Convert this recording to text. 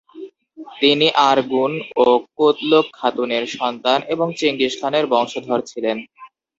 তিনি আরগুন ও কুতলুক খাতুনের সন্তান এবং চেঙ্গিস খানের বংশধর ছিলেন।